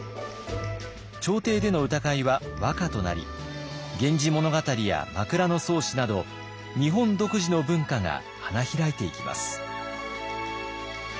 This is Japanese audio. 朝廷での歌会は和歌となり「源氏物語」や「枕草子」など日本独自の文化が花開いていきます。